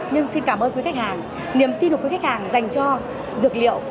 nhưng xin cảm ơn quý khách hàng niềm tin của quý khách hàng dành cho dược liệu